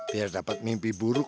biar dapat mimpi buruk